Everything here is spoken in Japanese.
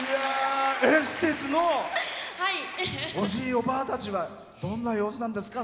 施設のおじい、おばあたちはどんな様子なんですか？